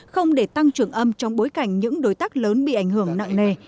không để tăng trưởng âm trong bối cảnh những đối tác lớn bị ảnh hưởng nặng nề